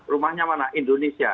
rumahnya mana indonesia